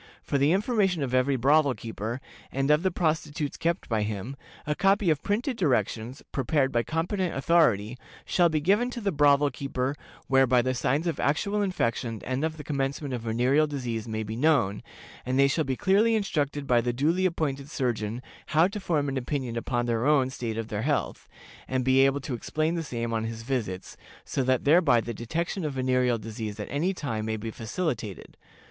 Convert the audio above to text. For the information of every brothel keeper, and of the prostitutes kept by him, a copy of printed directions, prepared by competent authority, shall be given to the brothel keeper, whereby the signs of actual infection and of the commencement of venereal disease may be known, and they shall be clearly instructed by the duly appointed surgeon how to form an opinion upon their own state of health, and be able to explain the same on his visits, so that thereby the detection of venereal disease at any time may be facilitated.